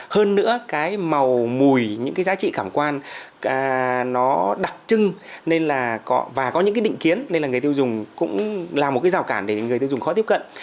hơn nữa cái màu mùi những cái giá trị khảm quan nó đặc trưng nên là và có những cái định kiến nên là người tiêu dùng cũng là một cái rào cản để người tiêu dùng khó tiếp cận